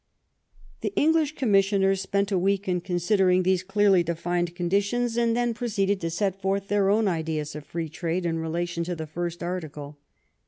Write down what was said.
The English commissioners spent a week in consid ering these clearly defined conditions, and then pro ceeded to set forth their own ideas of free trade in relation to the first article.